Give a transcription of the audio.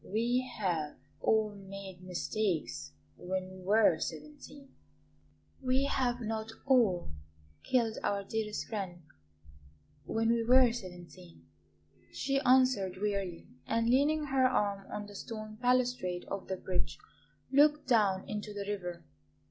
We have all made mistakes when we were seventeen." "We have not all killed our dearest friend when we were seventeen," she answered wearily; and, leaning her arm on the stone balustrade of the bridge, looked down into the river.